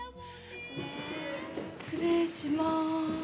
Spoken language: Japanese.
失礼しまーす。